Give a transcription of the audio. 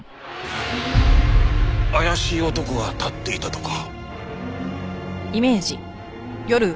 怪しい男が立っていたとか。